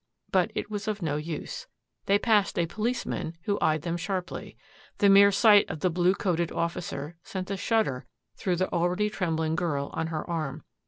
But it was of no use. They passed a policeman who eyed them sharply. The mere sight of the blue coated officer sent a shudder through the already trembling girl on her arm.